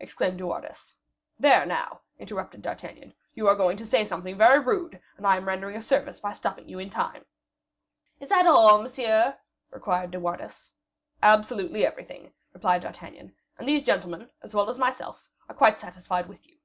exclaimed De Wardes. "There, now," interrupted D'Artagnan, "you are going to say something very rude, and I am rendering a service by stopping you in time." "Is that all, monsieur?" inquired De Wardes. "Absolutely everything," replied D'Artagnan; "and these gentlemen, as well as myself, are quite satisfied with you."